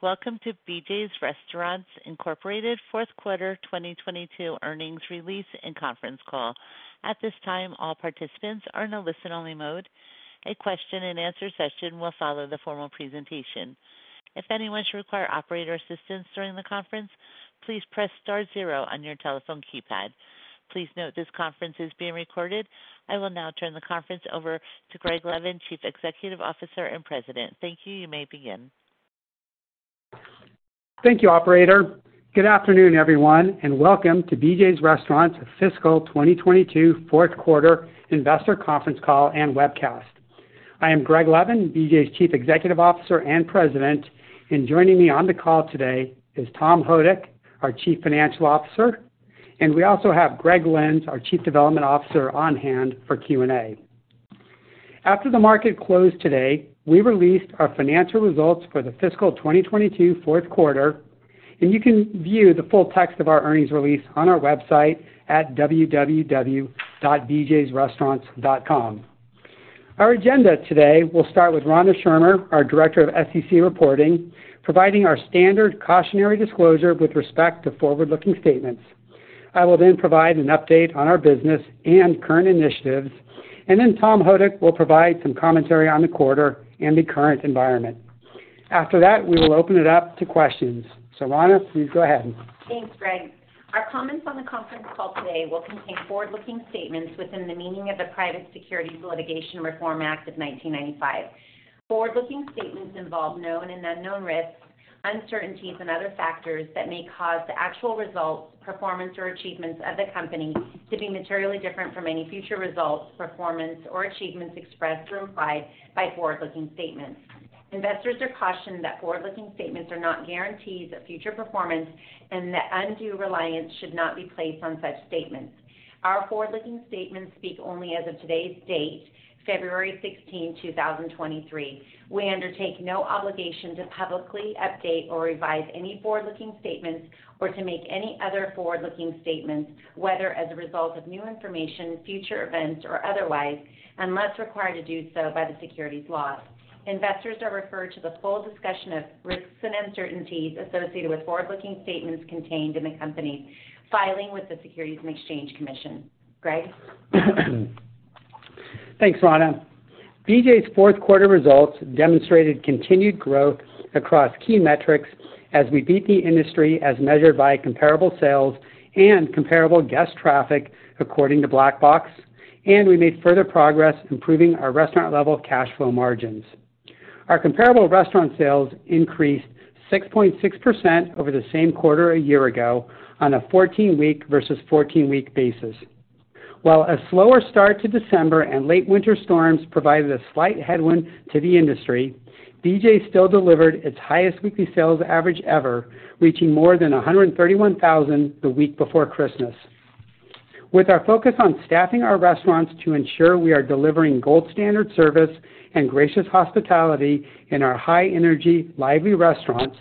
Welcome to BJ's Restaurants, Inc. fourth quarter 2022 earnings release and conference call. At this time, all participants are in a listen-only mode. A question-and-answer session will follow the formal presentation. If anyone should require operator assistance during the conference, please press star 0 on your telephone keypad. Please note this conference is being recorded. I will now turn the conference over to Greg Levin, Chief Executive Officer and President. Thank you. You may begin. Thank you, operator. Good afternoon, everyone, welcome to BJ's Restaurants' fiscal 2022 fourth quarter investor conference call and webcast. I am Greg Levin, BJ's Chief Executive Officer and President. Joining me on the call today is Tom Houdek, our Chief Financial Officer. We also have Greg Lynds, our Chief Development Officer on hand for Q&A. After the market closed today, we released our financial results for the fiscal 2022 fourth quarter. You can view the full text of our earnings release on our website at www.bjsrestaurants.com. Our agenda today will start with Rana Schermerhorn, our Director of SEC Reporting, providing our standard cautionary disclosure with respect to forward-looking statements. I will then provide an update on our business and current initiatives. Tom Houdek will provide some commentary on the quarter and the current environment. After that, we will open it up to questions. Rana, please go ahead. Thanks, Greg. Our comments on the conference call today will contain forward-looking statements within the meaning of the Private Securities Litigation Reform Act of 1995. Forward-looking statements involve known and unknown risks, uncertainties, and other factors that may cause the actual results, performance, or achievements of the Company to be materially different from any future results, performance, or achievements expressed or implied by forward-looking statements. Investors are cautioned that forward-looking statements are not guarantees of future performance and that undue reliance should not be placed on such statements. Our forward-looking statements speak only as of today's date, February 16th, 2023. We undertake no obligation to publicly update or revise any forward-looking statements or to make any other forward-looking statements, whether as a result of new information, future events, or otherwise, unless required to do so by the securities laws. Investors are referred to the full discussion of risks and uncertainties associated with forward-looking statements contained in the company's filing with the Securities and Exchange Commission. Greg? Thanks, Rana. BJ's fourth quarter results demonstrated continued growth across key metrics as we beat the industry as measured by comparable sales and comparable guest traffic according to Black Box, and we made further progress improving our restaurant-level cash flow margins. Our comparable restaurant sales increased 6.6% over the same quarter a year ago on a 14-week versus 14-week basis. While a slower start to December and late winter storms provided a slight headwind to the industry, BJ's still delivered its highest weekly sales average ever, reaching more than $131,000 the week before Christmas. With our focus on staffing our restaurants to ensure we are delivering gold standard service and gracious hospitality in our high-energy, lively restaurants,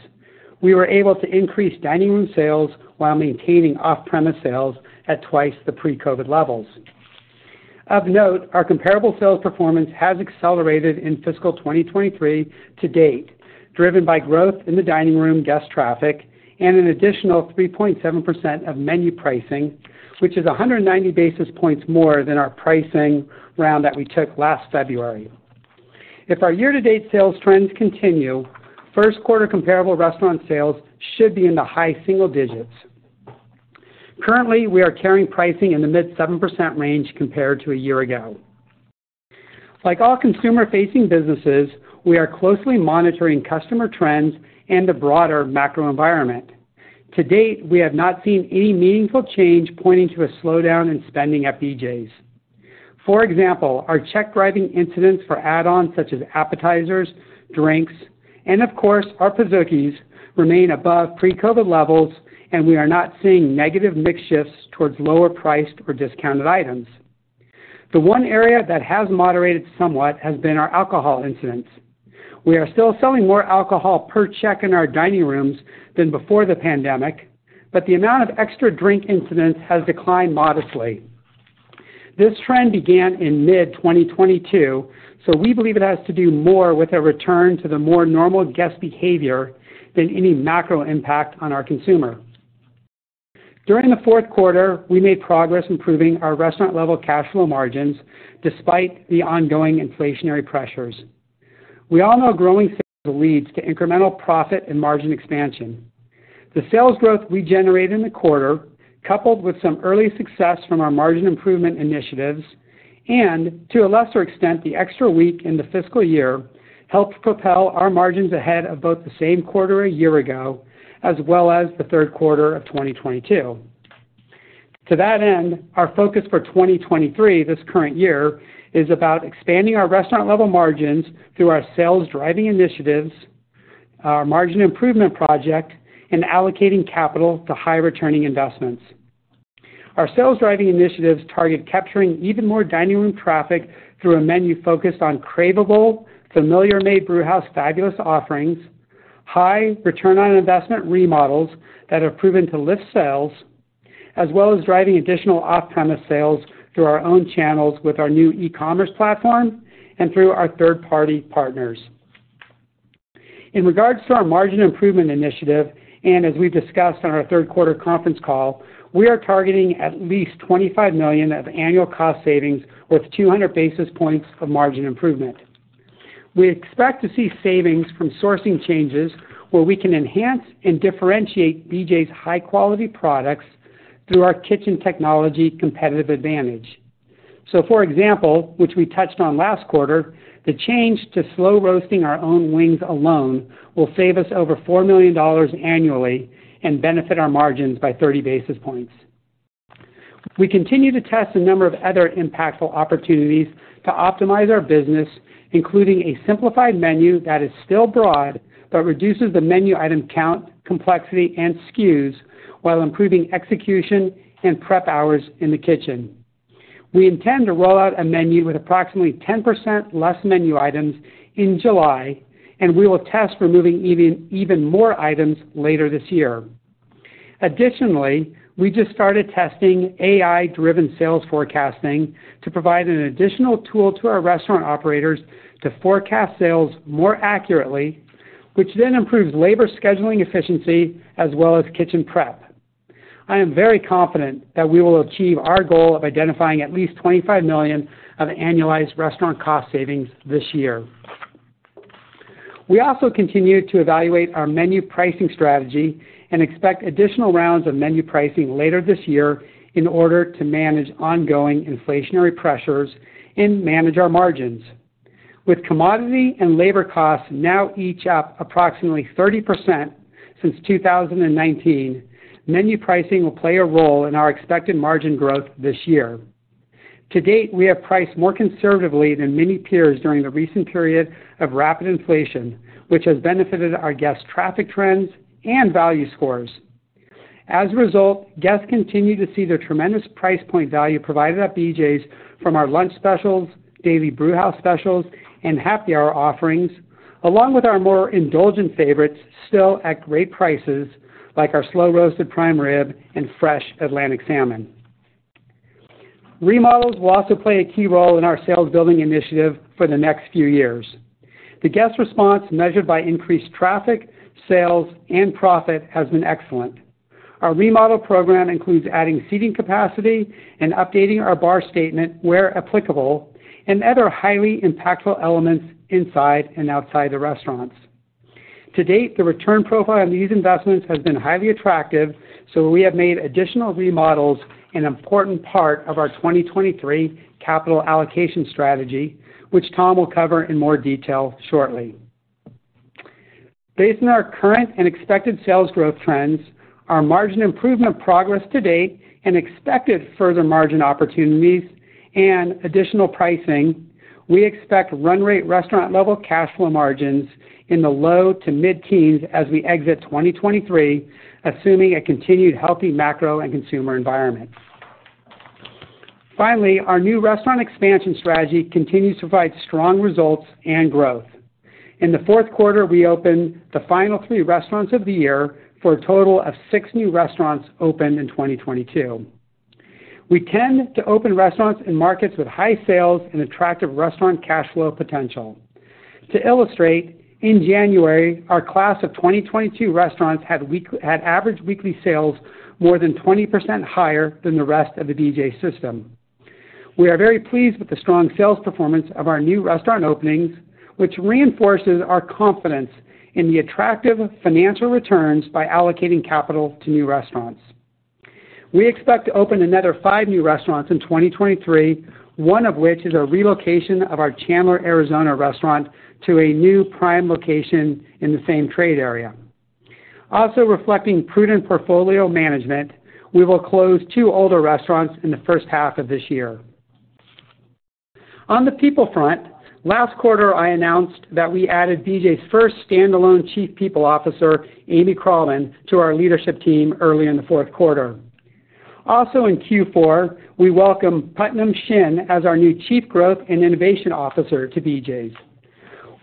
we were able to increase dining room sales while maintaining off-premise sales at twice the pre-COVID levels. Of note, our comparable sales performance has accelerated in fiscal 2023 to date, driven by growth in the dining room guest traffic and an additional 3.7% of menu pricing, which is 190 basis points more than our pricing round that we took last February. If our year-to-date sales trends continue, first quarter comparable restaurant sales should be in the high single digits. Currently, we are carrying pricing in the mid 7% range compared to a year ago. Like all consumer-facing businesses, we are closely monitoring customer trends and the broader macro environment. To date, we have not seen any meaningful change pointing to a slowdown in spending at BJ's. For example, our check-driving incidents for add-ons such as appetizers, drinks, and of course, our Pizookies remain above pre-COVID levels. We are not seeing negative mix shifts towards lower priced or discounted items. The one area that has moderated somewhat has been our alcohol incidents. We are still selling more alcohol per check in our dining rooms than before the pandemic. The amount of extra drink incidents has declined modestly. This trend began in mid-2022. We believe it has to do more with a return to the more normal guest behavior than any macro impact on our consumer. During the fourth quarter, we made progress improving our restaurant-level cash flow margins despite the ongoing inflationary pressures. We all know growing sales leads to incremental profit and margin expansion. The sales growth we generated in the quarter, coupled with some early success from our margin improvement initiatives and, to a lesser extent, the extra week in the fiscal year, helped propel our margins ahead of both the same quarter a year ago as well as the third quarter of 2022. Our focus for 2023, this current year, is about expanding our restaurant-level margins through our sales-driving initiatives, our margin improvement project, and allocating capital to high-returning investments. Our sales-driving initiatives target capturing even more dining room traffic through a menu focused on craveable, familiar made-brewhouse fabulous offerings, high-ROI remodels that have proven to lift sales as well as driving additional off-premise sales through our own channels with our new e-commerce platform and through our third-party partners. In regards to our margin improvement initiative, as we discussed on our third quarter conference call, we are targeting at least $25 million of annual cost savings with 200 basis points of margin improvement. We expect to see savings from sourcing changes where we can enhance and differentiate BJ's high-quality products through our kitchen technology competitive advantage. For example, which we touched on last quarter, the change to slow roasting our own wings alone will save us over $4 million annually and benefit our margins by 30 basis points. We continue to test a number of other impactful opportunities to optimize our business, including a simplified menu that is still broad, but reduces the menu item count, complexity, and SKUs while improving execution and prep hours in the kitchen. We intend to roll out a menu with approximately 10% less menu items in July, and we will test removing even more items later this year. Additionally, we just started testing AI-driven sales forecasting to provide an additional tool to our restaurant operators to forecast sales more accurately, which then improves labor scheduling efficiency as well as kitchen prep. I am very confident that we will achieve our goal of identifying at least $25 million of annualized restaurant cost savings this year. We also continue to evaluate our menu pricing strategy and expect additional rounds of menu pricing later this year in order to manage ongoing inflationary pressures and manage our margins. With commodity and labor costs now each up approximately 30% since 2019, menu pricing will play a role in our expected margin growth this year. To date, we have priced more conservatively than many peers during the recent period of rapid inflation, which has benefited our guest traffic trends and value scores. As a result, guests continue to see the tremendous price point value provided at BJ's from our lunch specials, daily brewhouse specials, and happy hour offerings, along with our more indulgent favorites still at great prices like our slow-roasted prime rib and fresh Atlantic salmon. Remodels will also play a key role in our sales-building initiative for the next few years. The guest response, measured by increased traffic, sales, and profit, has been excellent. Our remodel program includes adding seating capacity and updating our bar statement where applicable and other highly impactful elements inside and outside the restaurants. To date, the return profile on these investments has been highly attractive. We have made additional remodels an important part of our 2023 capital allocation strategy, which Tom will cover in more detail shortly. Based on our current and expected sales growth trends, our margin improvement progress to date and expected further margin opportunities and additional pricing, we expect run-rate restaurant-level cash flow margins in the low to mid-teens as we exit 2023, assuming a continued healthy macro and consumer environment. Finally, our new restaurant expansion strategy continues to provide strong results and growth. In the fourth quarter, we opened the final three restaurants of the year for a total of six new restaurants opened in 2022. We tend to open restaurants in markets with high sales and attractive restaurant cash flow potential. To illustrate, in January, our class of 2022 restaurants had average weekly sales more than 20% higher than the rest of the BJ's system. We are very pleased with the strong sales performance of our new restaurant openings, which reinforces our confidence in the attractive financial returns by allocating capital to new restaurants. We expect to open another five new restaurants in 2023, one of which is a relocation of our Chandler, Arizona restaurant to a new prime location in the same trade area. Also reflecting prudent portfolio management, we will close two older restaurants in the first half of this year. On the people front, last quarter, I announced that we added BJ's first standalone Chief People Officer, Amy Colley, to our leadership team early in the fourth quarter. Also in Q4, we welcome Putnam Shin as our new Chief Growth and Innovation Officer to BJ's.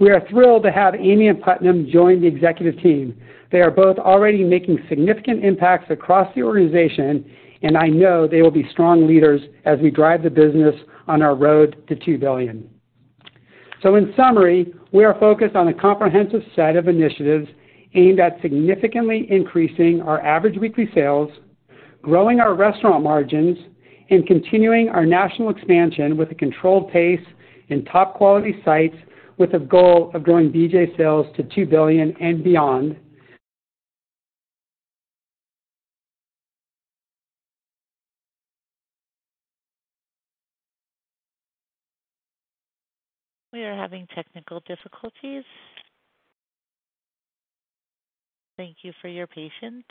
We are thrilled to have Amy and Putnam join the Executive team. They are both already making significant impacts across the organization, and I know they will be strong leaders as we drive the business on our road to $2 billion. In summary, we are focused on a comprehensive set of initiatives aimed at significantly increasing our average weekly sales, growing our restaurant margins, and continuing our national expansion with a controlled pace in top-quality sites with the goal of growing BJ's sales to $2 billion and beyond. We are having technical difficulties. Thank you for your patience.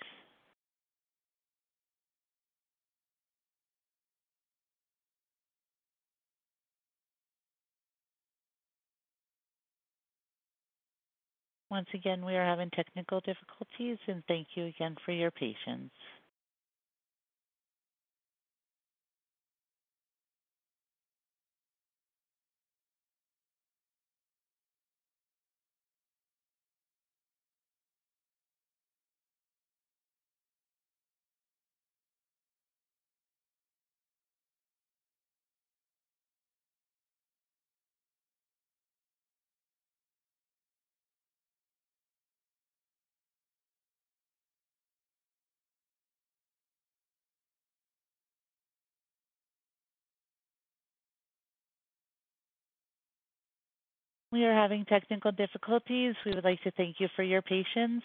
Once again, we are having technical difficulties. Thank you again for your patience. We are having technical difficulties. We would like to thank you for your patience.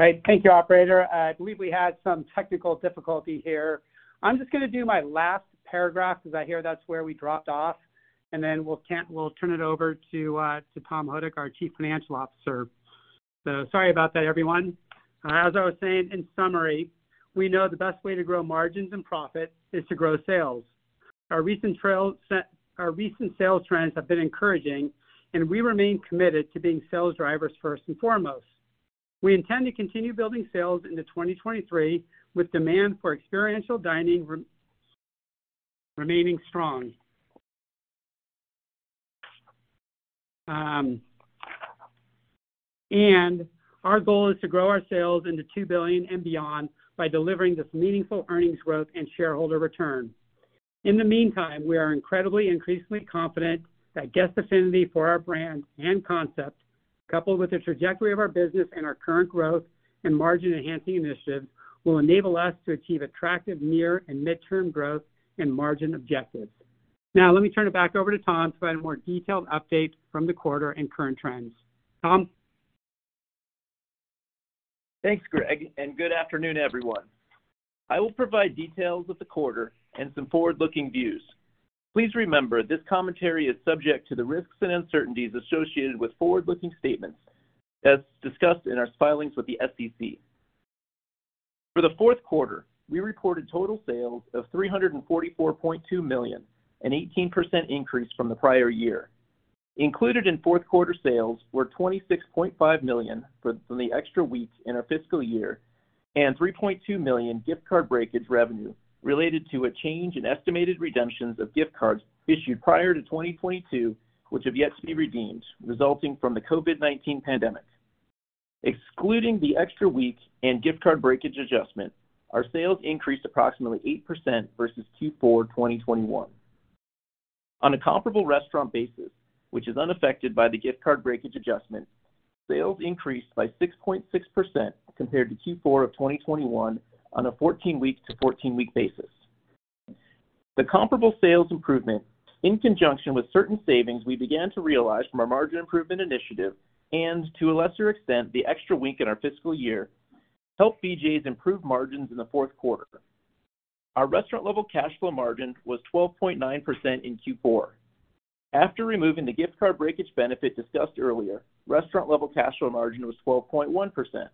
All right. Thank you, operator. I believe we had some technical difficulty here. I'm just gonna do my last paragraph because I hear that's where we dropped off, and then we'll turn it over to Tom Houdek, our Chief Financial Officer. Sorry about that, everyone. As I was saying, in summary, we know the best way to grow margins and profit is to grow sales. Our recent sales trends have been encouraging, and we remain committed to being sales drivers first and foremost. We intend to continue building sales into 2023, with demand for experiential dining remaining strong. Our goal is to grow our sales into $2 billion and beyond by delivering this meaningful earnings growth and shareholder return. In the meantime, we are incredibly increasingly confident that guest affinity for our brand and concept, coupled with the trajectory of our business and our current growth and margin enhancing initiatives, will enable us to achieve attractive near and midterm growth and margin objectives. Let me turn it back over to Tom to provide a more detailed update from the quarter and current trends. Tom. Thanks, Greg, good afternoon, everyone. I will provide details of the quarter and some forward-looking views. Please remember this commentary is subject to the risks and uncertainties associated with forward-looking statements as discussed in our filings with the SEC. For the fourth quarter, we reported total sales of $344.2 million, an 18% increase from the prior year. Included in fourth quarter sales were $26.5 million from the extra weeks in our fiscal year. $3.2 million gift card breakage revenue related to a change in estimated redemptions of gift cards issued prior to 2022, which have yet to be redeemed, resulting from the COVID-19 pandemic. Excluding the extra week and gift card breakage adjustment, our sales increased approximately 8% versus Q4 2021. On a comparable restaurant basis, which is unaffected by the gift card breakage adjustment, sales increased by 6.6% compared to Q4 of 2021 on a 14-week to 14-week basis. The comparable sales improvement, in conjunction with certain savings we began to realize from our margin improvement initiative, and to a lesser extent, the extra week in our fiscal year, helped BJ's improve margins in the fourth quarter. Our restaurant-level cash flow margin was 12.9% in Q4. After removing the gift card breakage benefit discussed earlier, restaurant-level cash flow margin was 12.1%.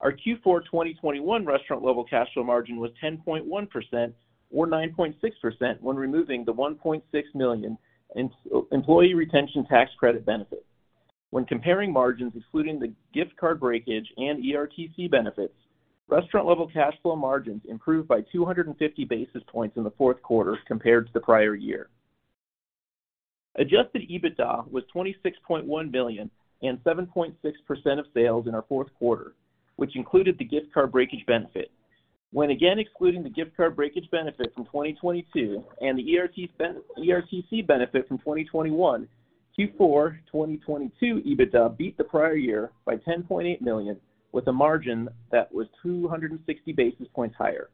Our Q4 2021 restaurant-level cash flow margin was 10.1% or 9.6% when removing the $1.6 million in Employee Retention Tax Credit benefit. When comparing margins excluding the gift card breakage and ERTC benefits, restaurant-level cash flow margins improved by 250 basis points in the fourth quarter compared to the prior year. Adjusted EBITDA was $26.1 million and 7.6% of sales in our fourth quarter, which included the gift card breakage benefit. When again excluding the gift card breakage benefit from 2022 and the ERTC benefit from 2021, Q4 2022 EBITDA beat the prior year by $10.8 million, with a margin that was 260 basis points higher.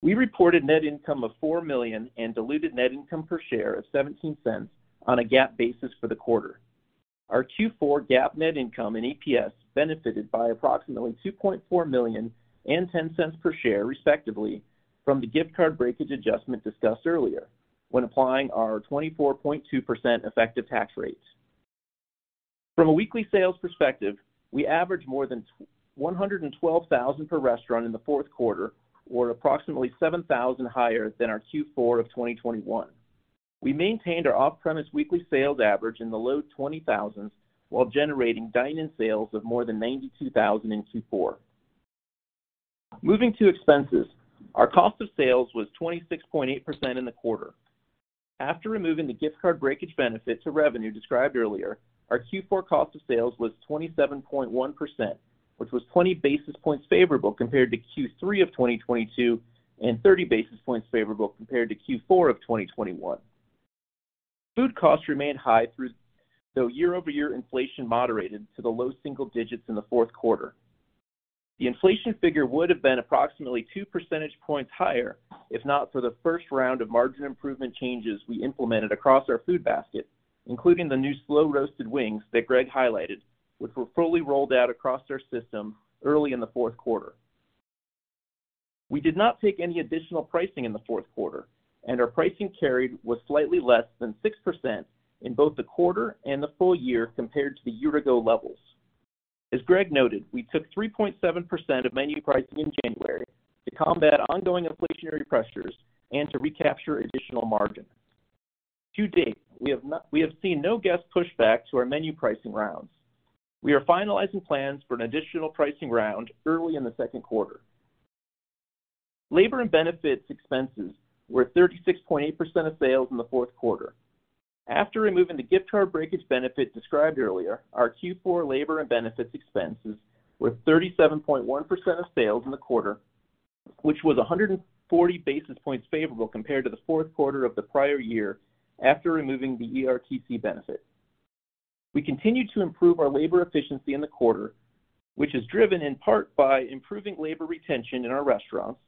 We reported net income of $4 million and diluted net income per share of $0.17 on a GAAP basis for the quarter. Our Q4 GAAP net income and EPS benefited by approximately $2.4 million and $0.10 per share, respectively, from the gift card breakage adjustment discussed earlier when applying our 24.2% effective tax rates. From a weekly sales perspective, we averaged more than 112,000 per restaurant in the fourth quarter, or approximately 7,000 higher than our Q4 of 2021. We maintained our off-premise weekly sales average in the low 20,000s while generating dine-in sales of more than 92,000 in Q4. Moving to expenses, our cost of sales was 26.8% in the quarter. After removing the gift card breakage benefit to revenue described earlier, our Q4 cost of sales was 27.1%, which was 20 basis points favorable compared to Q3 of 2022 and 30 basis points favorable compared to Q4 of 2021. Food costs remained high though year-over-year inflation moderated to the low single digits in the fourth quarter. The inflation figure would have been approximately 2% points higher if not for the first round of margin improvement changes we implemented across our food basket, including the new slow-roasted wings that Greg highlighted, which were fully rolled out across our system early in the fourth quarter. We did not take any additional pricing in the fourth quarter, and our pricing carried was slightly less than 6% in both the quarter and the full year compared to the year-ago levels. As Greg noted, we took 3.7% of menu pricing in January to combat ongoing inflationary pressures and to recapture additional margin. To date, we have seen no guest pushback to our menu pricing rounds. We are finalizing plans for an additional pricing round early in the second quarter. Labor and benefits expenses were 36.8% of sales in the fourth quarter. After removing the gift card breakage benefit described earlier, our Q4 labor and benefits expenses were 37.1% of sales in the quarter, which was 140 basis points favorable compared to the fourth quarter of the prior year after removing the ERTC benefit. We continued to improve our labor efficiency in the quarter, which is driven in part by improving labor retention in our restaurants,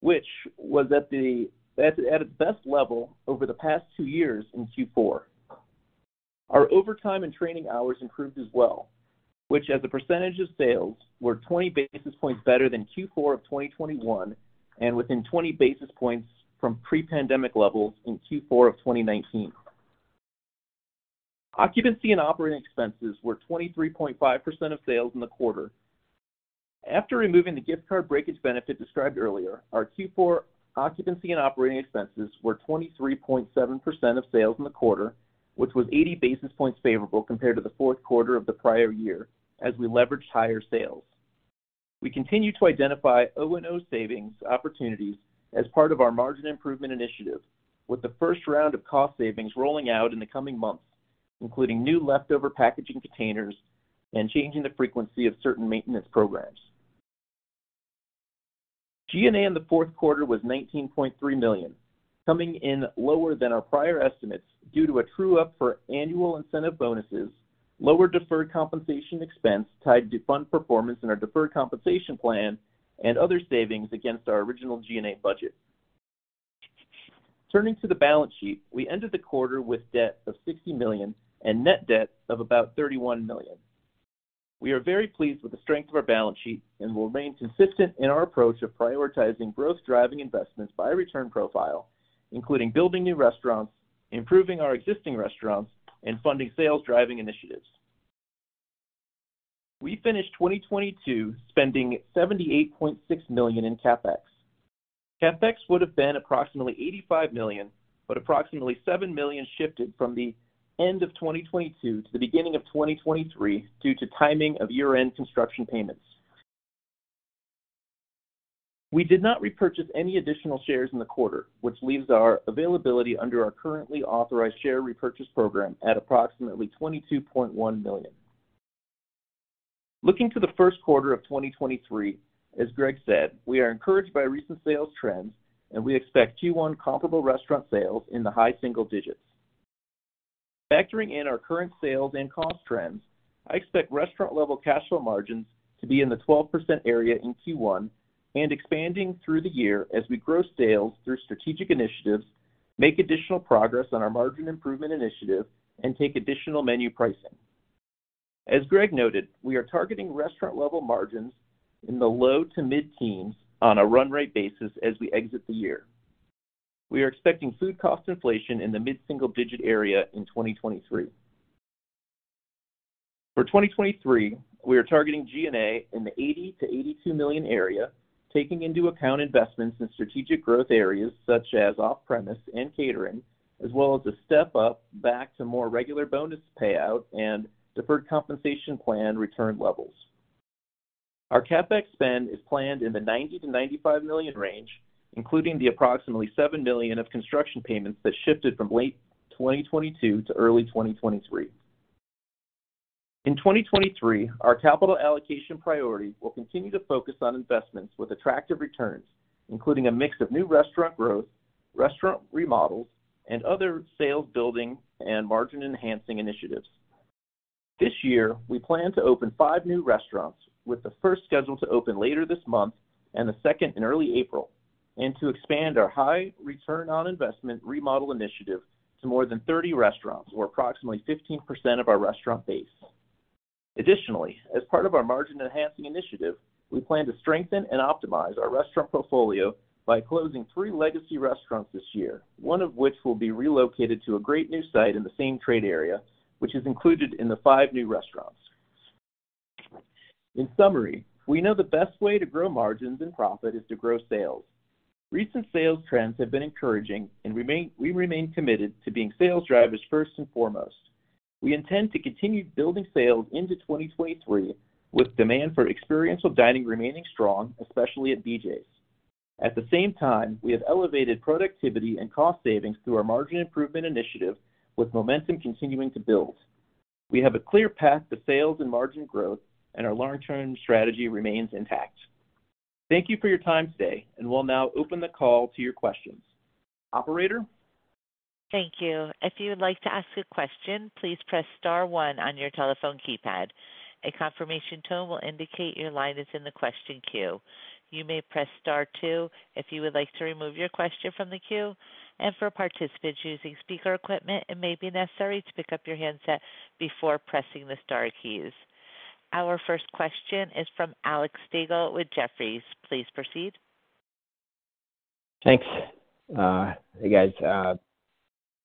which was at a best level over the past two years in Q4. Our overtime and training hours improved as well, which as a percentage of sales, were 20 basis points better than Q4 of 2021 and within 20 basis points from pre-pandemic levels in Q4 of 2019. Occupancy and operating expenses were 23.5% of sales in the quarter. After removing the gift card breakage benefit described earlier, our Q4 occupancy and operating expenses were 23.7% of sales in the quarter, which was 80 basis points favorable compared to the fourth quarter of the prior year as we leveraged higher sales. We continue to identify O&O savings opportunities as part of our margin improvement initiative, with the first round of cost savings rolling out in the coming months, including new leftover packaging containers and changing the frequency of certain maintenance programs. G&A in the fourth quarter was $19.3 million, coming in lower than our prior estimates due to a true up for annual incentive bonuses, lower deferred compensation expense tied to fund performance in our deferred compensation plan, and other savings against our original G&A budget. Turning to the balance sheet, we ended the quarter with debt of $60 million and net debt of about $31 million. We are very pleased with the strength of our balance sheet and will remain consistent in our approach of prioritizing growth-driving investments by return profile, including building new restaurants, improving our existing restaurants, and funding sales-driving initiatives. We finished 2022 spending $78.6 million in CapEx. CapEx would have been approximately $85 million, but approximately $7 million shifted from the end of 2022 to the beginning of 2023 due to timing of year-end construction payments. We did not repurchase any additional shares in the quarter, which leaves our availability under our currently authorized share repurchase program at approximately $22.1 million. Looking to the first quarter of 2023, as Greg said, we are encouraged by recent sales trends, we expect Q1 comparable restaurant sales in the high single digits. Factoring in our current sales and cost trends, I expect restaurant-level cash flow margins to be in the 12% area in Q1 and expanding through the year as we grow sales through strategic initiatives, make additional progress on our margin improvement initiative, take additional menu pricing. As Greg noted, we are targeting restaurant-level margins in the low to mid-teens on a run-rate basis as we exit the year. We are expecting food cost inflation in the mid-single-digit % area in 2023. For 2023, we are targeting G&A in the $80 million-$82 million area, taking into account investments in strategic growth areas such as off-premise and catering, as well as a step-up back to more regular bonus payout and deferred compensation plan return levels. Our CapEx spend is planned in the $90 million-$95 million range, including the approximately $7 million of construction payments that shifted from late 2022 to early 2023. In 2023, our capital allocation priority will continue to focus on investments with attractive returns, including a mix of new restaurant growth, restaurant remodels, and other sales-building and margin-enhancing initiatives. This year, we plan to open five new restaurants, with the first schedule to open later this month and the second in early April, and to expand our high-ROI remodel initiative to more than 30 restaurants or approximately 15% of our restaurant base. Additionally, as part of our margin-enhancing initiative, we plan to strengthen and optimize our restaurant portfolio by closing three legacy restaurants this year, one of which will be relocated to a great new site in the same trade area, which is included in the 5 new restaurants. In summary, we know the best way to grow margins and profit is to grow sales. Recent sales trends have been encouraging, we remain committed to being sales drivers first and foremost. We intend to continue building sales into 2023, with demand for experiential dining remaining strong, especially at BJ's. At the same time, we have elevated productivity and cost savings through our margin improvement initiative, with momentum continuing to build. We have a clear path to sales and margin growth, and our long-term strategy remains intact. Thank you for your time today, and we'll now open the call to your questions. Operator? Thank you. If you would like to ask a question, please press star one on your telephone keypad. A confirmation tone will indicate your line is in the question queue. You may press star two if you would like to remove your question from the queue, and for participants using speaker equipment, it may be necessary to pick up your handset before pressing the star keys. Our first question is from Alexander Slagle with Jefferies. Please proceed. Thanks, you guys.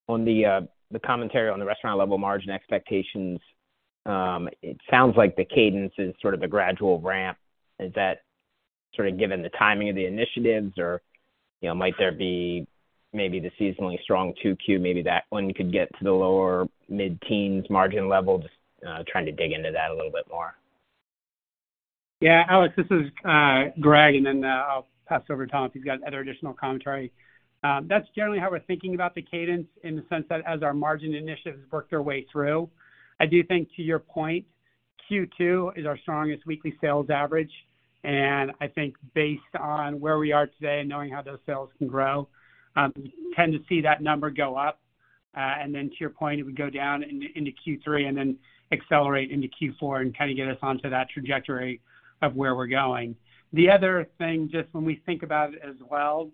On the commentary on the restaurant-level margin expectations, it sounds like the cadence is sort of a gradual ramp. Is that sort of given the timing of the initiatives or, you know, might there be maybe the seasonally strong 2Q, maybe that one could get to the lower mid-teens margin level? Just, trying to dig into that a little bit more. Yeah. Alex, this is Greg, and then, I'll pass over to Tom, if you've got other additional commentary. That's generally how we're thinking about the cadence in the sense that as our margin initiatives work their way through. I do think to your point, Q2 is our strongest weekly sales average, and I think based on where we are today and knowing how those sales can grow, tend to see that number go up. Then to your point, it would go down into Q3 and then accelerate into Q4 and kind of get us onto that trajectory of where we're going. The other thing, just when we think about it as well,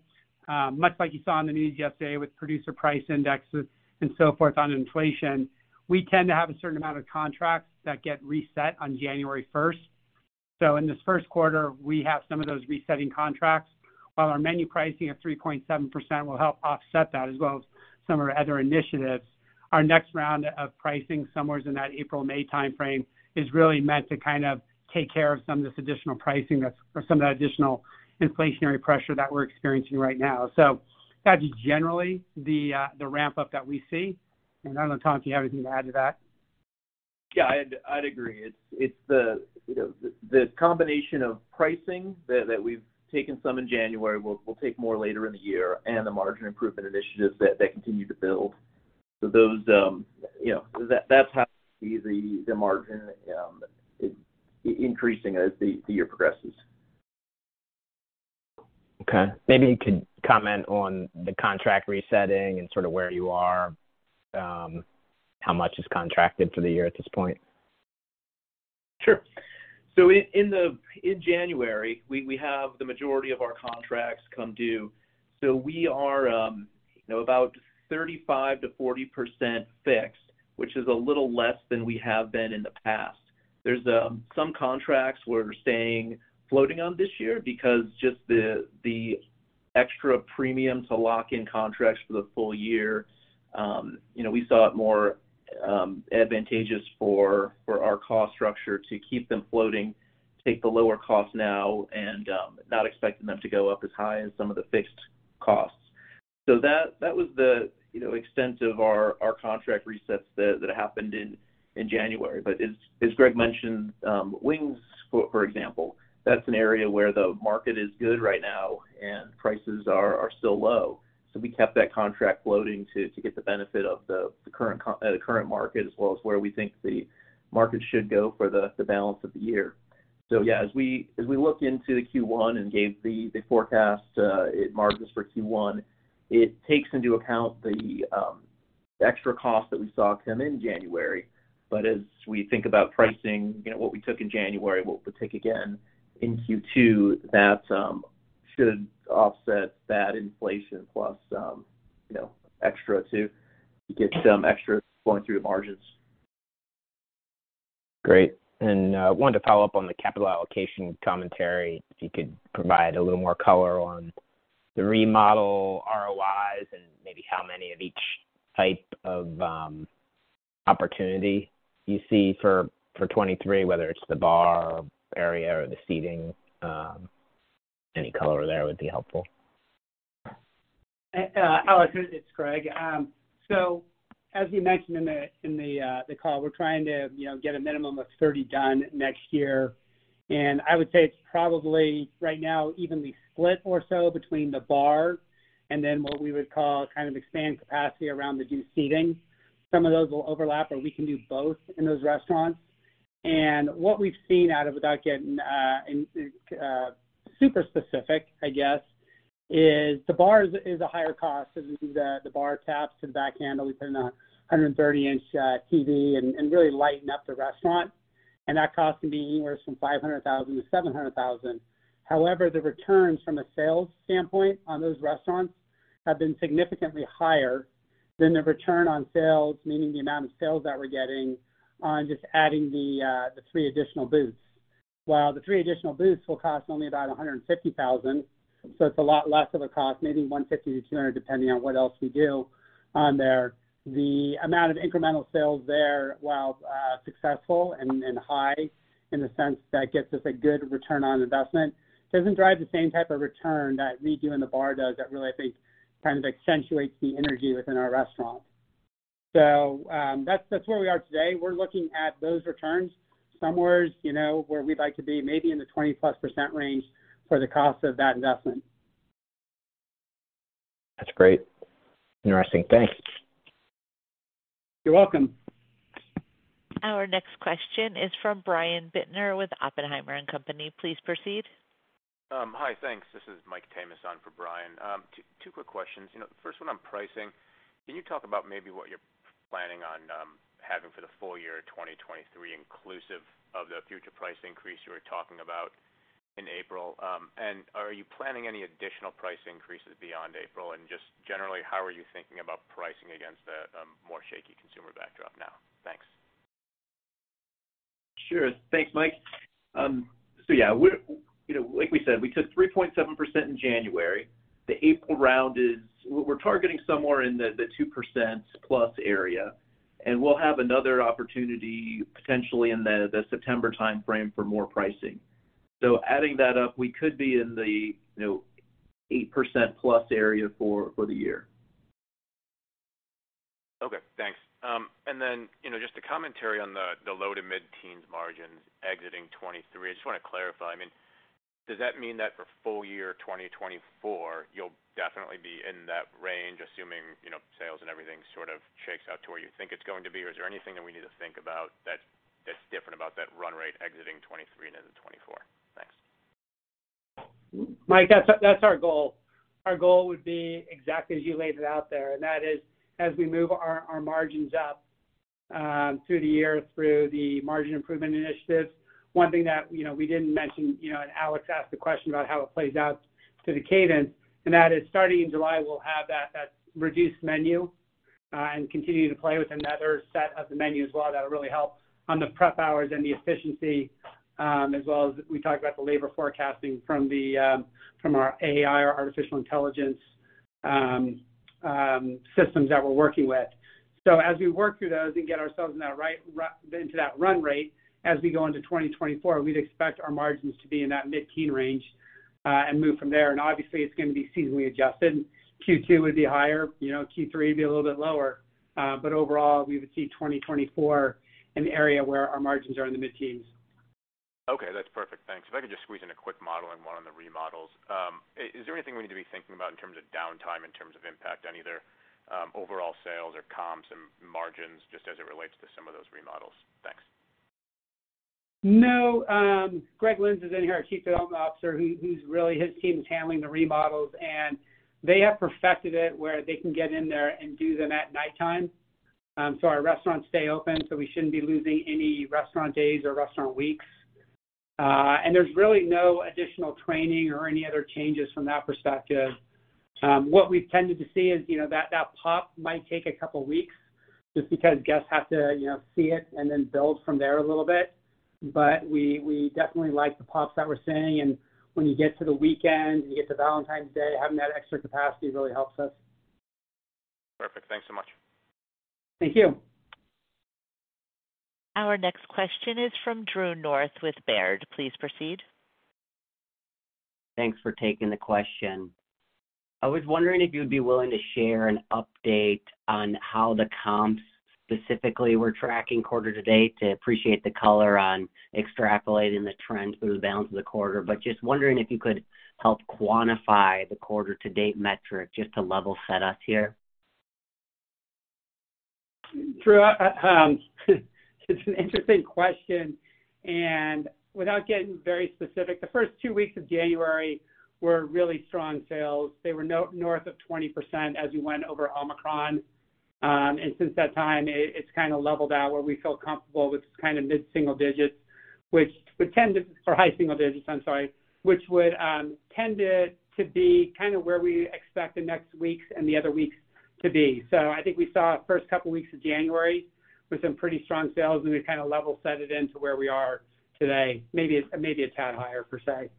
much like you saw in the news yesterday with Producer Price Indexes and so forth on inflation, we tend to have a certain amount of contracts that get reset on January 1st. In this first quarter, we have some of those resetting contracts. While our menu pricing of 3.7% will help offset that, as well as some of our other initiatives, our next round of pricing somewhere in that April-May timeframe is really meant to kind of take care of some of that additional inflationary pressure that we're experiencing right now. That's generally the ramp-up that we see. I don't know, Tom, if you have anything to add to that. Yeah, I'd agree. It's the, you know, the combination of pricing that we've taken some in January. We'll take more later in the year and the margin improvement initiatives that continue to build. Those, you know, that's how we see the margin it increasing as the year progresses. Maybe you could comment on the contract resetting and sort of where you are, how much is contracted for the year at this point. Sure. In January, we have the majority of our contracts come due. We are, you know, about 35%-40% fixed, which is a little less than we have been in the past. There's some contracts we're staying floating on this year because just the extra premium to lock in contracts for the full year, you know, we saw it more advantageous for our cost structure to keep them floating, take the lower cost now, and not expecting them to go up as high as some of the fixed costs. That was the, you know, extent of our contract resets that happened in January. As Greg mentioned, wings, for example, that's an area where the market is good right now and prices are still low. We kept that contract floating to get the benefit of the current market, as well as where we think the market should go for the balance of the year. Yeah, as we look into Q1 and gave the forecast margins for Q1, it takes into account the extra cost that we saw come in January. As we think about pricing, you know, what we took in January, what we'll take again in Q2, that should offset that inflation plus, you know, extra to get some extra flowing through margins. Great. Wanted to follow up on the capital allocation commentary, if you could provide a little more color on the remodel ROIs and maybe how many of each type of opportunity you see for 2023, whether it's the bar area or the seating. Any color there would be helpful. Alexander Slagle, it's Greg Levin. As we mentioned in the call, we're trying to, you know, get a minimum of 30 done next year. I would say it's probably right now evenly split more so between the bar and then what we would call kind of expand capacity around the new seating. Some of those will overlap, or we can do both in those restaurants. What we've seen out of, without getting in super specific, I guess, is the bars is a higher cost as we do the bar taps to the back handle. We put in a 130-inch TV and really lighten up the restaurant. That cost can be anywhere from $500,000-$700,000. The returns from a sales standpoint on those restaurants have been significantly higher than the return on sales, meaning the amount of sales that we're getting on just adding the three additional booths. The three additional booths will cost only about $150,000, so it's a lot less of a cost, maybe $150,000-$200,000, depending on what else we do on there. The amount of incremental sales there, while successful and high in the sense that gets us a good ROI, doesn't drive the same type of return that redoing the bar does that really, I think, kind of accentuates the energy within our restaurant. That's where we are today. We're looking at those returns somewhere, you know, where we'd like to be, maybe in the 20-plus % range for the cost of that investment. That's great. Interesting. Thanks. You're welcome. Our next question is from Brian Bittner with Oppenheimer & Co. Inc. Please proceed. Hi. Thanks. This is Michael Tamas on for Brian. Two quick questions. You know, the first one on pricing, can you talk about maybe what you're planning on having for the full year 2023, inclusive of the future price increase you were talking about in April? Are you planning any additional price increases beyond April? Just generally, how are you thinking about pricing against a more shaky consumer backdrop now? Thanks. Sure. Thanks, Mike. Yeah, we're, you know, like we said, we took 3.7% in January. The April round is we're targeting somewhere in the 2% plus area, and we'll have another opportunity potentially in the September timeframe for more pricing. Adding that up, we could be in the, you know, 8% plus area for the year. Okay, thanks. You know, just a commentary on the low- to mid-teens margins exiting 2023. I just wanna clarify. I mean, does that mean that for full year 2024, you'll definitely be in that range, assuming, you know, sales and everything sort of shakes out to where you think it's going to be? Is there anything that we need to think about that's different about that run rate exiting 2023 into 2024? Thanks. Mike, that's our goal. Our goal would be exactly as you laid it out there, and that is, as we move our margins up through the year through the margin improvement initiatives, one thing that, you know, we didn't mention, you know, and Alex asked a question about how it plays out to the cadence, and that is starting in July, we'll have that reduced menu and continue to play with another set of the menu as well. That'll really help on the prep hours and the efficiency, as well as we talk about the labor forecasting from our AI, our artificial intelligence systems that we're working with. As we work through those and get ourselves into that run rate, as we go into 2024, we'd expect our margins to be in that mid-teen range and move from there. Obviously it's gonna be seasonally adjusted. Q2 would be higher, you know, Q3 would be a little bit lower. Overall we would see 2024 an area where our margins are in the mid-teens. Okay, that's perfect. Thanks. If I could just squeeze in a quick model and one on the remodels. Is there anything we need to be thinking about in terms of downtime, in terms of impact on either, overall sales or comps and margins, just as it relates to some of those remodels? Thanks. No. Greg Lynds is in here, our Chief Development Officer, who's really his team is handling the remodels, and they have perfected it where they can get in there and do them at nighttime. Our restaurants stay open, so we shouldn't be losing any restaurant days or restaurant weeks. There's really no additional training or any other changes from that perspective. What we've tended to see is, you know, that pop might take a couple weeks just because guests have to, you know, see it and then build from there a little bit. We, we definitely like the pops that we're seeing. When you get to the weekend, you get to Valentine's Day, having that extra capacity really helps us. Perfect. Thanks so much. Thank you. Our next question is from Drew North with Baird. Please proceed. Thanks for taking the question. I was wondering if you would be willing to share an update on how the comps specifically were tracking quarter to date to appreciate the color on extrapolating the trends through the balance of the quarter, but just wondering if you could help quantify the quarter to date metric just to level set us here. Drew, it's an interesting question. Without getting very specific, the first two weeks of January were really strong sales. They were no-north of 20% as we went over Omicron. Since that time, it's kind of leveled out where we feel comfortable with kind of mid-single digits, or high single digits, I'm sorry, which would tend to be kind of where we expect the next weeks and the other weeks to be. I think we saw first couple weeks of January with some pretty strong sales, and we've kind of level-set it into where we are today, maybe a tad higher per se.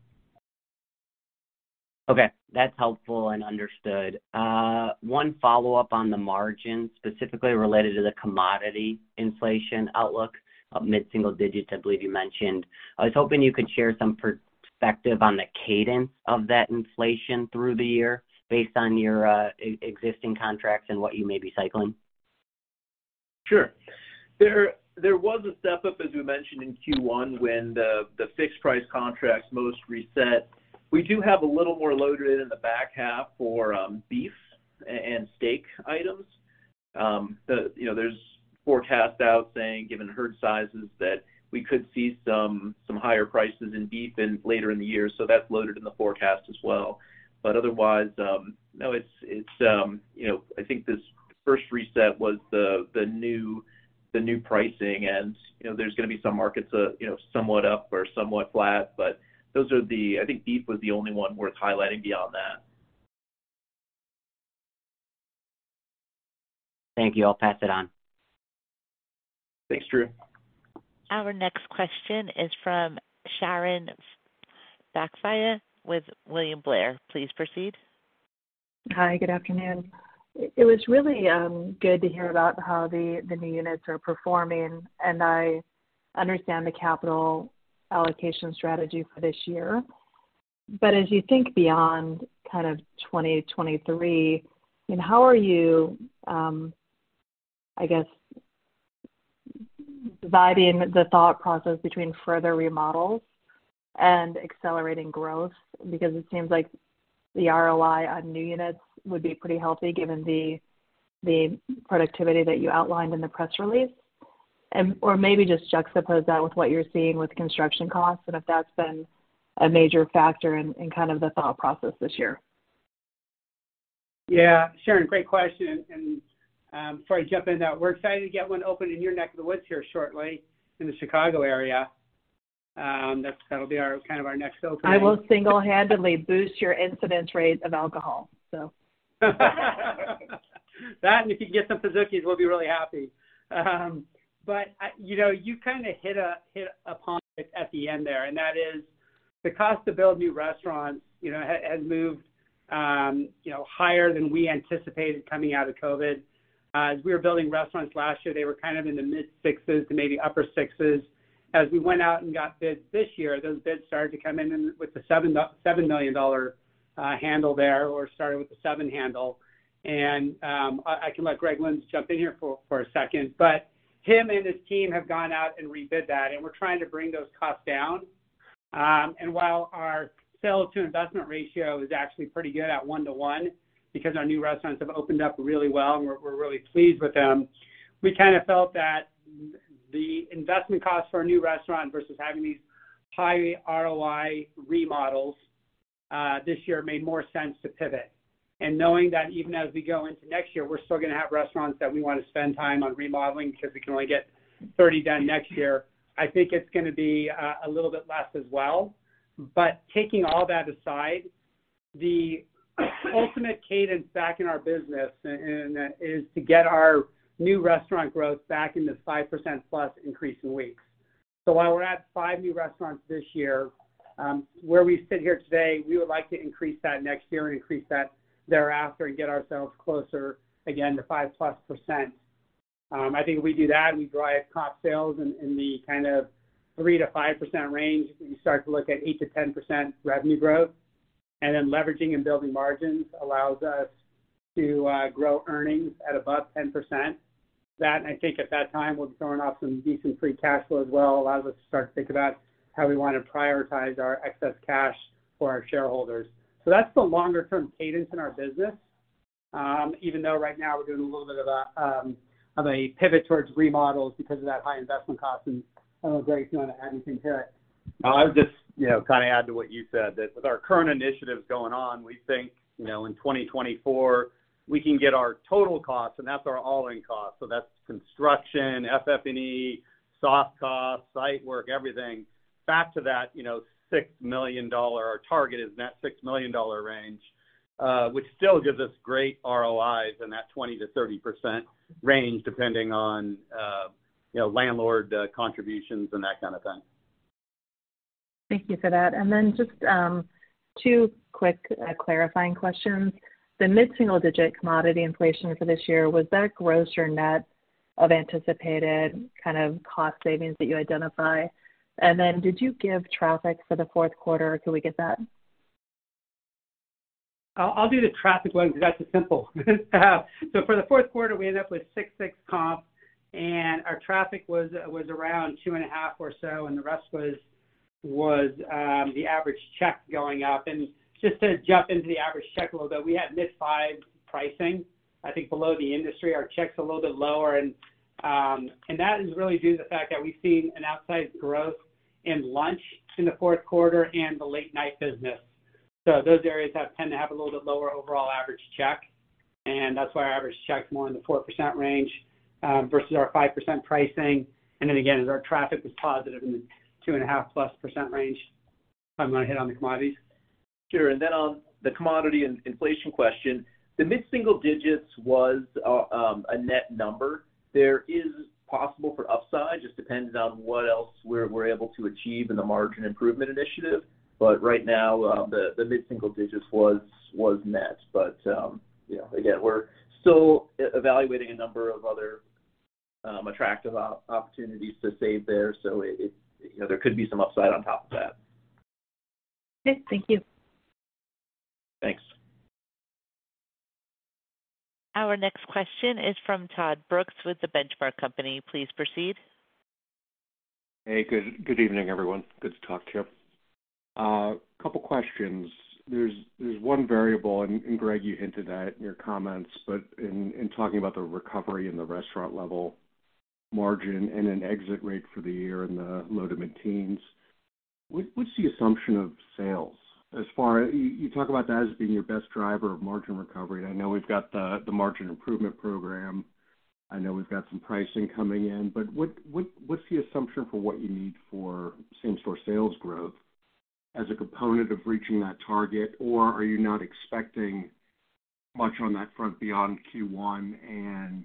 Okay. That's helpful and understood. One follow-up on the margin, specifically related to the commodity inflation outlook of mid-single digits, I believe you mentioned. I was hoping you could share some perspective on the cadence of that inflation through the year based on your existing contracts and what you may be cycling. Sure. There was a step-up, as we mentioned in Q1, when the fixed price contracts most reset. We do have a little more loaded in the back half for beef and steak items. The, you know, there's forecasts out saying, given herd sizes, that we could see some higher prices in beef in later in the year, so that's loaded in the forecast as well. Otherwise, no, it's, you know, I think this first reset was the new pricing and, you know, there's gonna be some markets, you know, somewhat up or somewhat flat, but I think beef was the only one worth highlighting beyond that. Thank you. I'll pass it on. Thanks, Drew. Our next question is from Sharon Zackfia with William Blair. Please proceed. Hi, good afternoon. It was really good to hear about how the new units are performing, and I understand the capital allocation strategy for this year. As you think beyond kind of 2023, I mean, how are you, I guess, dividing the thought process between further remodels and accelerating growth? Because it seems like the ROI on new units would be pretty healthy given the productivity that you outlined in the press release. Or maybe just juxtapose that with what you're seeing with construction costs and if that's been a major factor in kind of the thought process this year. Yeah. Sharon, great question. Before I jump into that, we're excited to get one open in your neck of the woods here shortly in the Chicago area. That'll be our kind of our next opening. I will single-handedly boost your incidence rate of alcohol. That, and if you get some Pizookie, we'll be really happy. But you know, you kind of hit upon it at the end there, and that is the cost to build new restaurants, you know, has moved, you know, higher than we anticipated coming out of COVID. As we were building restaurants last year, they were kind of in the mid-sixes to maybe upper sixes. As we went out and got bids this year, those bids started to come in with a $7 million handle there, or starting with a seven handle. I can let Greg Lynds jump in here for a second. Him and his team have gone out and rebid that, and we're trying to bring those costs down. While our sales to investment ratio is actually pretty good at one to one because our new restaurants have opened up really well, and we're really pleased with them, we kind of felt that the investment cost for a new restaurant versus having these high ROI remodels this year made more sense to pivot. Knowing that even as we go into next year, we're still gonna have restaurants that we wanna spend time on remodeling because we can only get 30 done next year, I think it's gonna be a little bit less as well. Taking all that aside, the ultimate cadence back in our business is to get our new restaurant growth back in the 5% plus increase in weeks. While we're at five new restaurants this year, where we sit here today, we would like to increase that next year and increase that thereafter and get ourselves closer again to 5% plus. I think if we do that, we drive comp sales in the kind of 3%-5% range. You start to look at 8%-10% revenue growth. Leveraging and building margins allows us to grow earnings at above 10%. That, and I think at that time, we'll be throwing off some decent free cash flow as well, allow us to start to think about how we wanna prioritize our excess cash for our shareholders. That's the longer term cadence in our business, even though right now we're doing a little bit of a, of a pivot towards remodels because of that high investment cost. I don't know, Greg, if you want to add anything to it. I would just, you know, kind of add to what you said, that with our current initiatives going on, we think, you know, in 2024, we can get our total cost, and that's our all-in cost, so that's construction, FF&E, soft costs, site work, everything, back to that, you know, $6 million target is in that $6 million range. Which still gives us great ROIs in that 20%-30% range, depending on, you know, landlord contributions and that kind of thing. Thank you for that. Just two quick clarifying questions. The mid-single-digit commodity inflation for this year, was that gross or net of anticipated kind of cost savings that you identify? Did you give traffic for the fourth quarter? Could we get that? I'll do the traffic one because that's simple. For the fourth quarter we end up with 6% comp, our traffic was around 2.5% or so, the rest was the average check going up. Just to jump into the average check a little bit, we had mid-5% pricing. I think below the industry, our check's a little bit lower, that is really due to the fact that we've seen an outsized growth in lunch in the fourth quarter and the late-night business. Those areas tend to have a little bit lower overall average check, that's why our average check's more in the 4% range versus our 5% pricing. Again, our traffic was positive in the 2.5+% range. I'm gonna hit on the commodities. Sure. On the commodity and inflation question, the mid-single digits was a net number. There is possible for upside, just depends on what else we're able to achieve in the margin improvement initiative. Right now, the mid-single digits was net. You know, again, we're still evaluating a number of other attractive opportunities to save there. It, you know, there could be some upside on top of that. Okay. Thank you. Thanks. Our next question is from Todd Brooks with The Benchmark Company. Please proceed. Hey. Good evening, everyone. Good to talk to you. Couple questions. There's one variable, and Greg, you hinted at in your comments, but in talking about the recovery in the restaurant-level margin and an exit rate for the year in the low-to-mid teens, what's the assumption of sales as far as... You talk about that as being your best driver of margin recovery. I know we've got the margin improvement program. I know we've got some pricing coming in, but what's the assumption for what you need for same-store sales growth as a component of reaching that target? Are you not expecting much on that front beyond Q1, and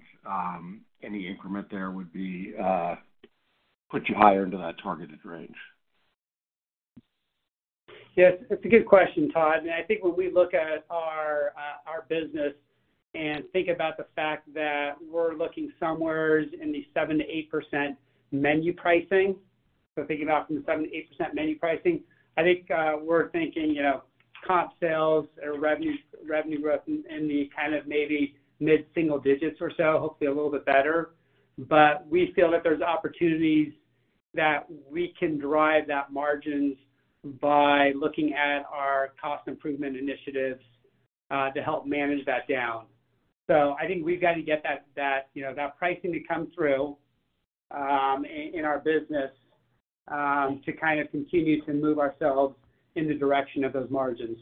any increment there would be, put you higher into that targeted range? Yes, that's a good question, Todd. I think when we look at our business and think about the fact that we're looking somewheres in the 7%-8% menu pricing. Thinking about from the 7%-8% menu pricing, I think we're thinking, you know, comp sales or revenue growth in the kind of maybe mid-single digits or so, hopefully a little bit better. We feel that there's opportunities that we can drive that margins by looking at our cost improvement initiatives to help manage that down. I think we've got to get that, you know, that pricing to come through in our business to kind of continue to move ourselves in the direction of those margins.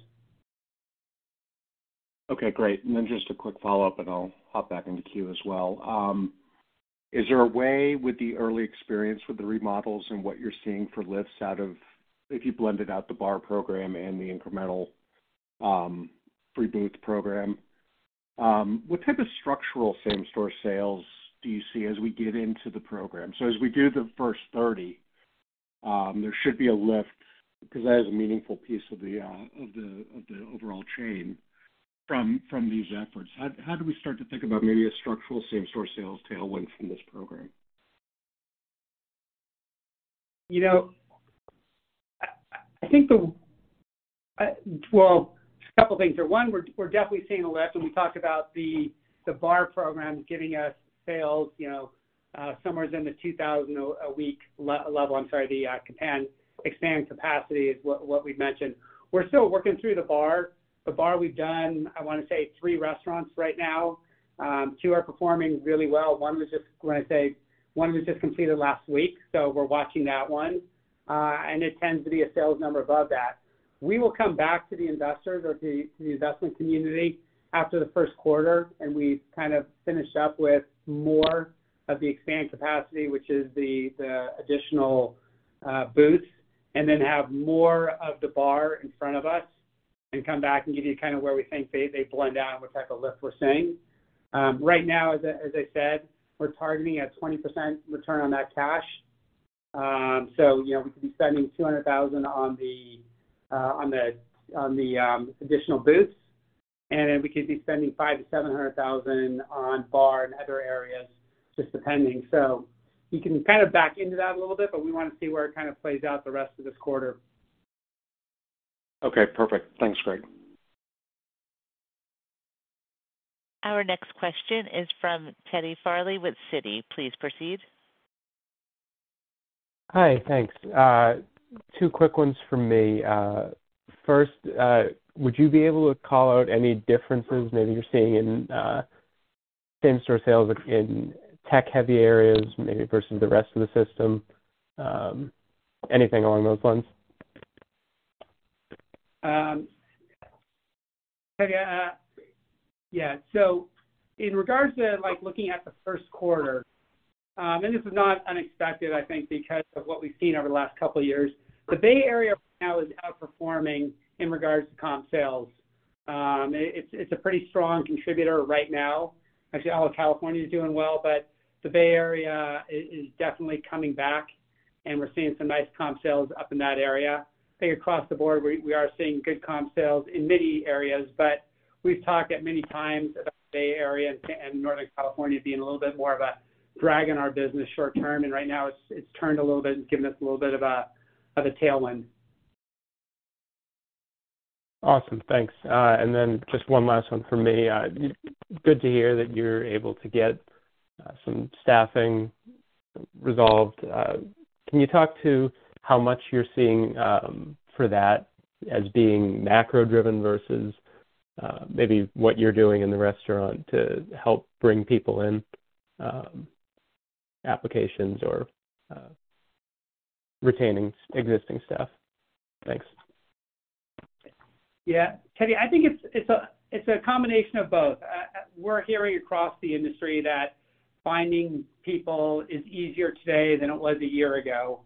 Okay. Great. Just a quick follow-up, and I'll hop back into queue as well. Is there a way with the early experience with the remodels and what you're seeing for lifts out of if you blended out the bar program and the incremental free booth program, what type of structural same-store sales do you see as we get into the program? As we do the first 30, there should be a lift because that is a meaningful piece of the overall chain from these efforts. How do we start to think about maybe a structural same-store sales tailwind from this program? You know, I think the, well, a couple things there. One, we're definitely seeing a lift when we talk about the bar program giving us sales, you know, somewheres in the $2,000 a week level. I'm sorry, the expanded capacity is what we've mentioned. We're still working through the bar. The bar we've done, I wanna say three restaurants right now. Two are performing really well. One was just completed last week, so we're watching that one. It tends to be a sales number above that. We will come back to the investors or the investment community after the first quarter, and we've kind of finished up with more of the expanded capacity, which is the additional booths, and then have more of the bar in front of us and come back and give you kind of where we think they blend out and what type of lift we're seeing. Right now, as I said, we're targeting a 20% return on that cash. You know, we could be spending $200,000 on the additional booths, and then we could be spending $500,000-$700,000 on bar and other areas, just depending. You can kind of back into that a little bit, but we wanna see where it kind of plays out the rest of this quarter. Okay. Perfect. Thanks, Greg. Our next question is from Jon Tower with Citi. Please proceed. Hi. Thanks. two quick ones from me. first, would you be able to call out any differences maybe you're seeing in same-store sales in tech-heavy areas, maybe versus the rest of the system? anything along those lines? Todd, Yeah. In regards to like looking at the first quarter, this is not unexpected, I think because of what we've seen over the last couple of years, the Bay Area now is outperforming in regards to comp sales. It's a pretty strong contributor right now. Actually, all of California is doing well, but the Bay Area is definitely coming back, and we're seeing some nice comp sales up in that area. I think across the board, we are seeing good comp sales in many areas, but we've talked at many times about Bay Area and Northern California being a little bit more of a drag in our business short term. Right now it's turned a little bit and given us a little bit of a tailwind. Awesome. Thanks. Just one last one for me. Good to hear that you're able to get, some staffing resolved. Can you talk to how much you're seeing, for that as being macro driven versus, maybe what you're doing in the restaurant to help bring people in, applications or, retaining existing staff? Thanks. Yeah. Jon Tower, I think it's a combination of both. We're hearing across the industry that finding people is easier today than it was a year ago.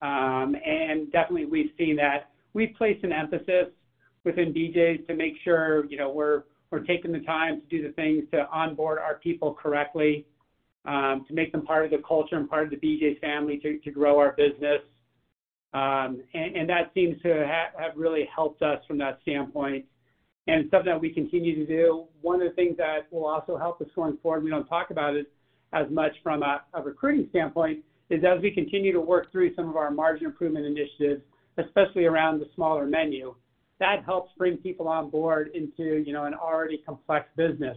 Definitely we've seen that. We've placed an emphasis within BJ's to make sure, you know, we're taking the time to do the things to onboard our people correctly, to make them part of the culture and part of the BJ's family to grow our business. That seems to have really helped us from that standpoint and something that we continue to do. One of the things that will also help us going forward, we don't talk about it as much from a recruiting standpoint, is as we continue to work through some of our margin improvement initiatives, especially around the smaller menu, that helps bring people on board into, you know, an already complex business.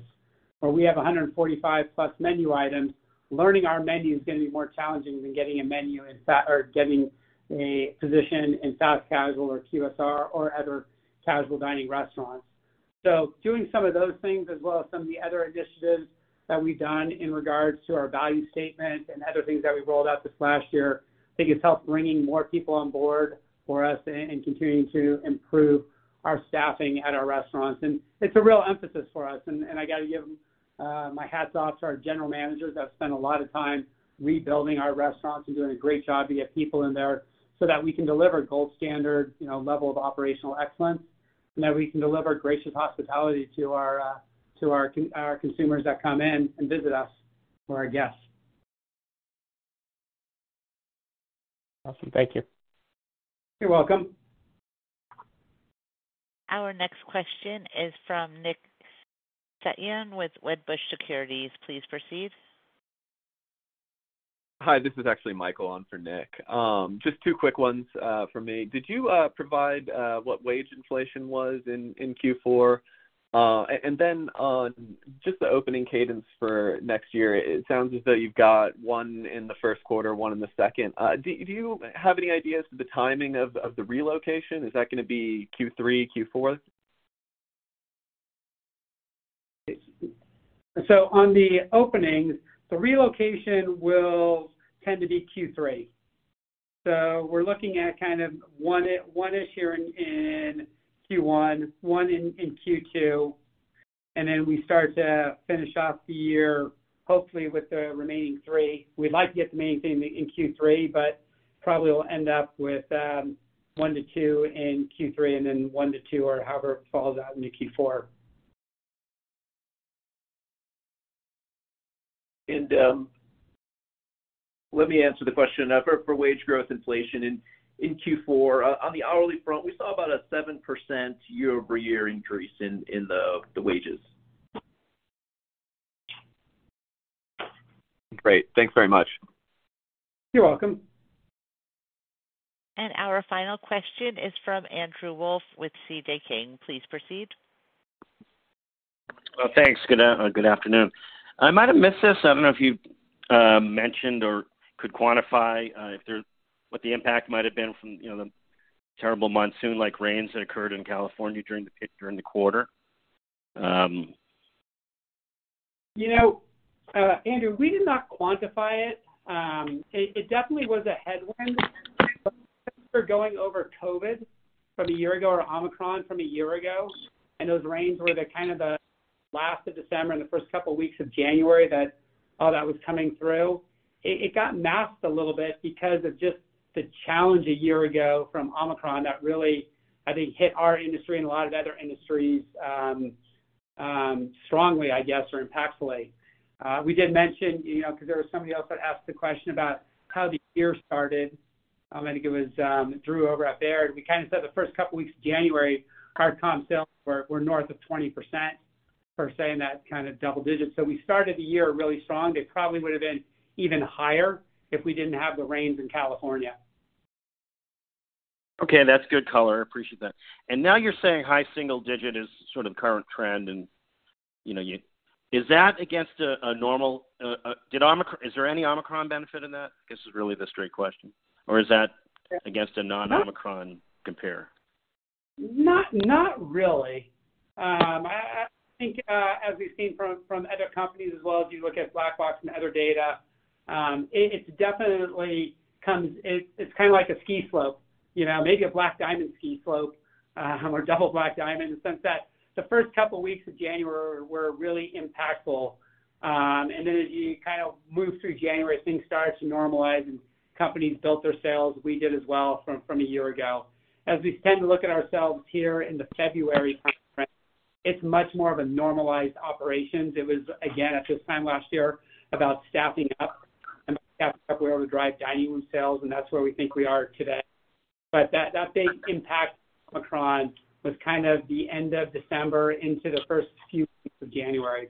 Where we have 145 plus menu items, learning our menu is gonna be more challenging than getting a position in fast casual or QSR or other casual dining restaurants. Doing some of those things as well as some of the other initiatives that we've done in regards to our value statement and other things that we rolled out this last year, I think it's helped bringing more people on board for us and continuing to improve our staffing at our restaurants. It's a real emphasis for us. I got to give my hats off to our general managers that have spent a lot of time rebuilding our restaurants and doing a great job to get people in there so that we can deliver gold standard, you know, level of operational excellence, and that we can deliver gracious hospitality to our consumers that come in and visit us or our guests. Awesome. Thank you. You're welcome. Our next question is from Nick Setyan with Wedbush Securities. Please proceed. Hi, this is actually Michael on for Nick. Just two quick ones from me. Did you provide what wage inflation was in Q4? Just the opening cadence for next year, it sounds as though you've got one in the first quarter, one in the second. Do you have any ideas of the timing of the relocation? Is that gonna be Q3, Q4? On the openings, the relocation will tend to be Q3. We're looking at kind of one-ish here in Q1, one in Q2, and then we start to finish off the year, hopefully with the remaining three. We'd like to get the main thing in Q3, but probably we'll end up with one-two in Q3 and then one-two or however it falls out into Q4. Let me answer the question. For wage growth inflation in Q4, on the hourly front, we saw about a 7% year-over-year increase in the wages. Great. Thanks very much. You're welcome. Our final question is from Andrew Wolf with C.L. King. Please proceed. Well, thanks. Good afternoon. I might have missed this. I don't know if you mentioned or could quantify if there what the impact might have been from, you know, the terrible monsoon-like rains that occurred in California during the quarter? You know, Andrew, we did not quantify it. It definitely was a headwind for going over COVID from a year ago or Omicron from a year ago. Those rains were the kind of the last of December and the first couple weeks of January that all that was coming through. It got masked a little bit because of just the challenge a year ago from Omicron that really, I think, hit our industry and a lot of other industries strongly, I guess, or impactfully. We did mention, you know, because there was somebody else that asked the question about how the year started. I think it was Drew over at Baird. We kind of said the first couple weeks of January, our comp sales were north of 20%. We're saying that kind of double digit. We started the year really strong. It probably would have been even higher if we didn't have the rains in California. Okay, that's good color. I appreciate that. Now you're saying high single digit is sort of the current trend and, you know, is there any Omicron benefit in that? I guess is really the straight question. Or is that against a non-Omicron compare? Not really. I think, as we've seen from other companies as well, if you look at Black Box and other data. It's kinda like a ski slope, you know, maybe a black diamond ski slope, or a double black diamond, in the sense that the first couple weeks of January were really impactful. As you kind of move through January, things started to normalize and companies built their sales. We did as well from a year ago. As we tend to look at ourselves here in the February time frame, it's much more of a normalized operations. It was, again, at this time last year about staffing up and staffed up we're able to drive dining room sales, and that's where we think we are today. That big impact of Omicron was kind of the end of December into the first few weeks of January.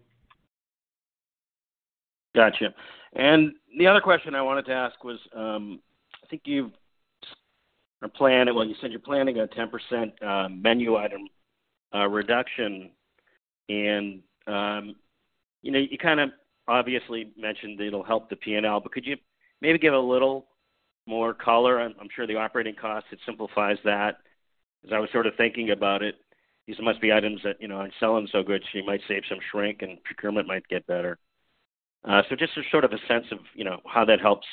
Gotcha. The other question I wanted to ask was, I think you've planned it. Well, you said you're planning a 10% menu item reduction. You know, you kind of obviously mentioned it'll help the P&L, but could you maybe give a little more color? I'm sure the operating cost, it simplifies that. 'Cause I was sort of thinking about it. These must be items that, you know, aren't selling so good, so you might save some shrink and procurement might get better. Just to sort of a sense of, you know, how that helps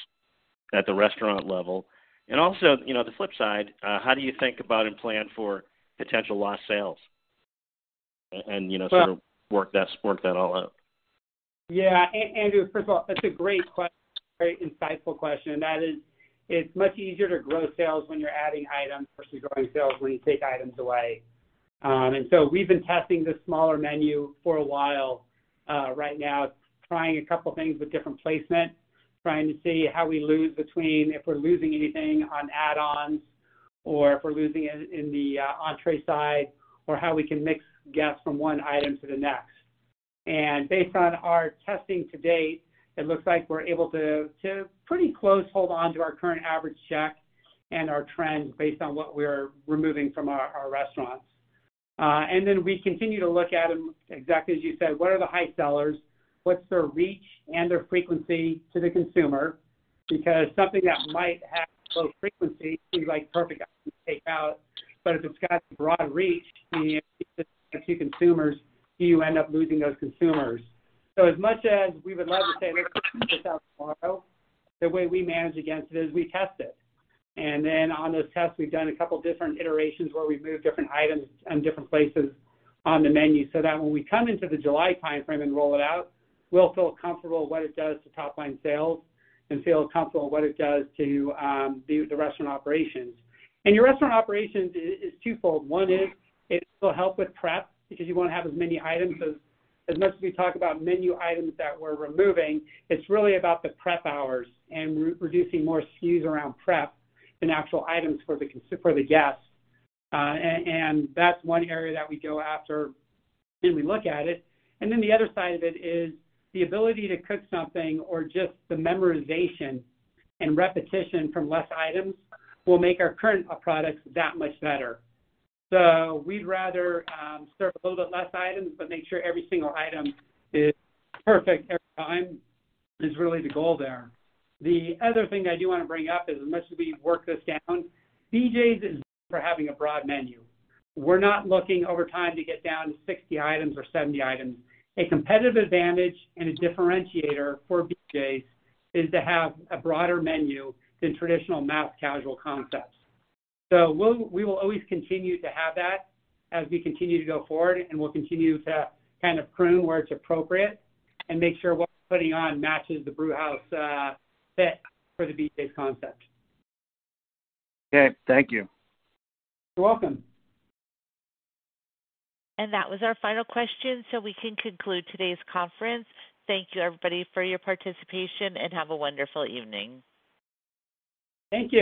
at the restaurant level. Also, you know, the flip side, how do you think about and plan for potential lost sales and, you know, sort of work that all out? Andrew, first of all, that's a great question. Very insightful question, that is, it's much easier to grow sales when you're adding items versus growing sales when you take items away. We've been testing this smaller menu for a while. Right now it's trying a couple things with different placement, trying to see how we lose between if we're losing anything on add-ons or if we're losing it in the entrée side or how we can mix guests from one item to the next. Based on our testing to date, it looks like we're able to pretty close hold onto our current average check and our trends based on what we're removing from our restaurants. We continue to look at them, exactly as you said, what are the high sellers? What's their reach and their frequency to the consumer? Something that might have low frequency seems like perfect item to take out, but if it's got broad reach to consumers, do you end up losing those consumers? As much as we would love to say we're gonna push this out tomorrow, the way we manage against it is we test it. On those tests, we've done a couple different iterations where we've moved different items in different places on the menu so that when we come into the July timeframe and roll it out, we'll feel comfortable what it does to top-line sales and feel comfortable what it does to the restaurant operations. Your restaurant operations is twofold. One is it will help with prep because you won't have as many items. As much as we talk about menu items that we're removing, it's really about the prep hours and re-reducing more SKUs around prep than actual items for the guests. And that's one area that we go after when we look at it. The other side of it is the ability to cook something or just the memorization and repetition from less items will make our current products that much better. We'd rather serve a little bit less items, but make sure every single item is perfect every time is really the goal there. The other thing I do wanna bring up is, as much as we work this down, BJ's is known for having a broad menu. We're not looking over time to get down to 60 items or 70 items. A competitive advantage and a differentiator for BJ's is to have a broader menu than traditional mass casual concepts. We will always continue to have that as we continue to go forward, and we'll continue to kind of prune where it's appropriate and make sure what we're putting on matches the brewhouse fit for the BJ's concept. Okay. Thank you. You're welcome. That was our final question, so we can conclude today's conference. Thank you, everybody, for your participation, and have a wonderful evening. Thank you.